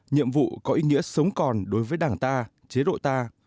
nhiệm vụ có ý nghĩa sống còn đối với đảng ta chế độ ta